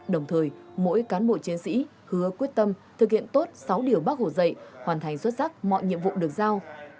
đồng thời mỗi cán bộ chiến sĩ hứa quyết tâm thực hiện tốt sáu điều bác hồ dạy hoàn thành xuất sắc mọi nhiệm vụ được giao